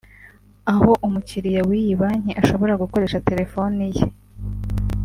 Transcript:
aho umukiriya w’iyi banki ashobora gukoresha terefoni ye